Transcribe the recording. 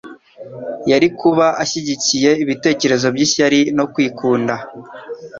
yari kuba ashyigikiye ibitekerezo by'ishyari no kwikunda,